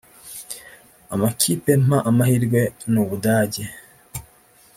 Amakipe mpa amahirwe n’Ubudage